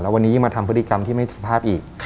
วันนี้มาทำพฤติกรรมที่ไม่สุภาพอีก